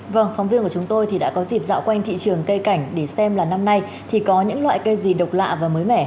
vâng phóng viên của chúng tôi thì đã có dịp dạo quanh thị trường cây cảnh để xem là năm nay thì có những loại cây gì độc lạ và mới mẻ